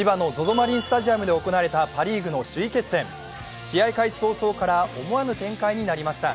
マリンスタジアムで行われたパ・リーグの首位決戦試合開始早々から思わぬ展開になりました。